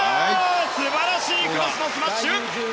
すばらしいクロスのスマッシュ！